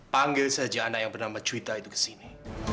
panggil saja anak yang bernama cuita itu ke sini